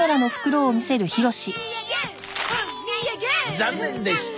残念でした。